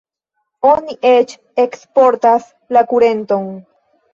Oni eĉ eksportas la kurenton.